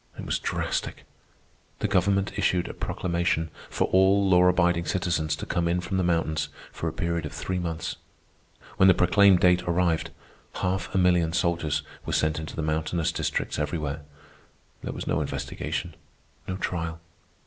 It was drastic. The government issued a proclamation for all law abiding citizens to come in from the mountains for a period of three months. When the proclaimed date arrived, half a million soldiers were sent into the mountainous districts everywhere. There was no investigation, no trial.